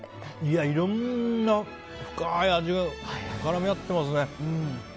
いろんな、深い味が絡み合ってますね。